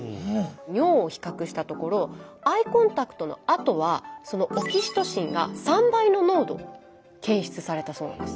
尿を比較したところアイコンタクトのあとはそのオキシトシンが３倍の濃度検出されたそうなんです。